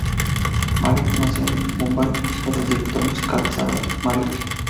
Malik nació en Mumbai, hijo del director musical, Sardar Malik.